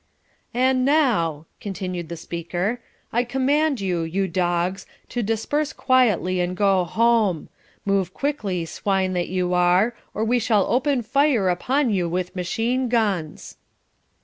"And now," continued the speaker, "I command you, you dogs, to disperse quietly and go home. Move quickly, swine that you are, or we shall open fire upon you with machine guns."